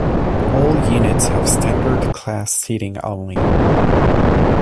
All units have standard class seating only.